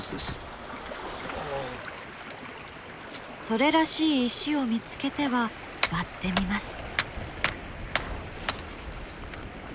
それらしい石を見つけては割ってみます。